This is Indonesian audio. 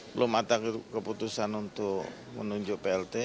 belum ada keputusan untuk menunjuk plt